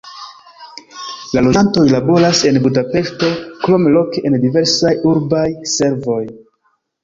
La loĝantoj laboras en Budapeŝto, krome loke en diversaj urbaj servoj.